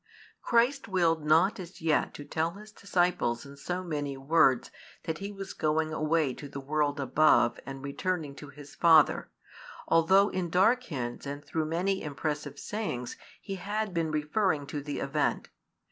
Christ willed not as yet to tell His disciples in so many words that He was going away to the world above and returning to His Father, although in dark hints and through many impressive sayings He had been referring to the event.